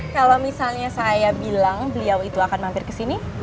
kalau misalnya saya bilang beliau itu akan mampir ke sini